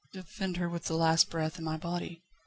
"Defend her with the last breath in my body."